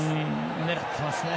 狙っていますね。